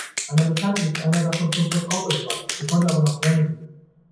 Einer Bekannten ist einer davon schon vors Auto gerannt. Sie konnte aber noch bremsen.